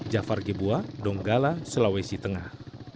jafar gebua donggala sulawesi tengah